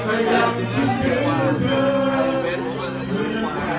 เพราะรู้ว่า